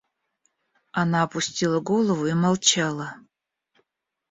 Она опустила голову и молчала.